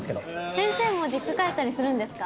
先生も実家帰ったりするんですか？